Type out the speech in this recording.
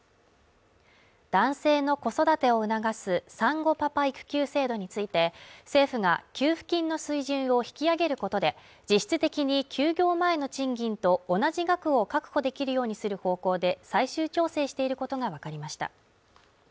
男性の子育てを促す産後パパ育休制度について政府が給付金の水準を引き上げることで、実質的に休業前の賃金と同じ額を確保できるようにする方向で最終調整していることがわかりました。